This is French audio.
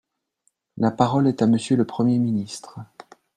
La parole est à Monsieur le Premier ministre.